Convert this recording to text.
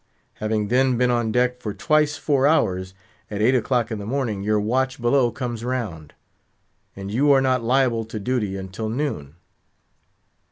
Having then been on deck for twice four hours, at eight o'clock in the morning your watch below comes round, and you are not liable to duty until noon.